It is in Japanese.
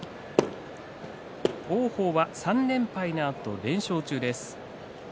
王鵬は３連敗のあと連勝中です。